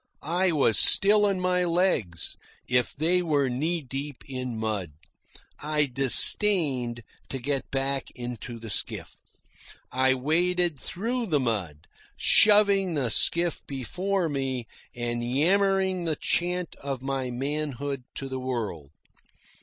I was still on my legs, if they were knee deep in mud. I disdained to get back into the skiff. I waded through the mud, shoving the skiff before me and yammering the chant of my manhood to the world.